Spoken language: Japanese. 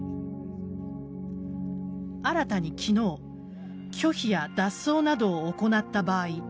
新たに昨日拒否や脱走などを行った場合